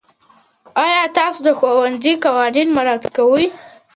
آیا تاسو د ښوونځي قوانین مراعات کوئ؟